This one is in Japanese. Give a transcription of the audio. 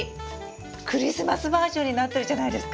クリスマスバージョンになってるじゃないですか！